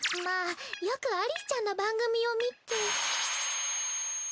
まあよくアリスちゃんの番組を見て。